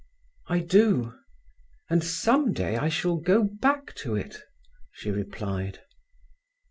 "I do; and some day I shall go back to it," she replied.